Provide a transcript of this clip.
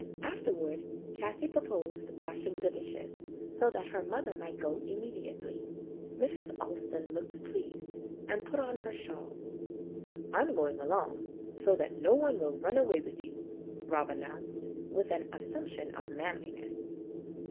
Afterward Kathie proposed washing the dishes, so that her mother might go immediately. Mrs. Alston looked pleased, 'and put on her shawl. "I 'm going along, so that no one will run away with you," Rob announced, 'with an assumption of manliness.